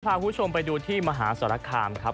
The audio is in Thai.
พาคุณผู้ชมไปดูที่มหาสารคามครับ